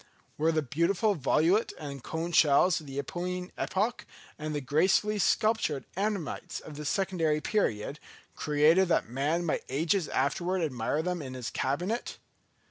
Were the beautiful volute and cone shells of the Eocene epoch, and the gracefully sculptured ammonites of the Secondary period, created that man might ages afterwards admire them in his cabinet?